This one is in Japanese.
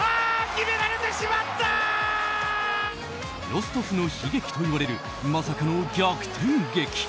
ロストフの悲劇といわれるまさかの逆転劇。